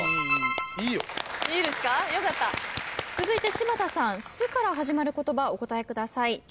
続いて柴田さん「す」から始まる言葉お答えください。